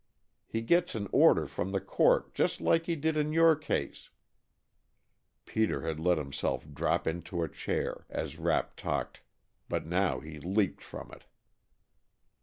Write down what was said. He gets an order from the court, just like he did in your case " Peter had let himself drop into a chair as Rapp talked but now he leaped from it.